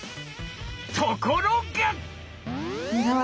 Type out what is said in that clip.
ところが！